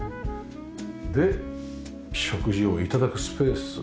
で食事を頂くスペース。